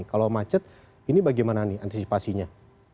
kalau macet ini bagaimana nih antisipasinya